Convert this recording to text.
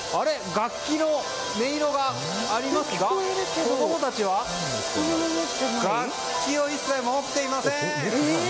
楽器の音色がありますが子供たちは楽器を一切持っていません。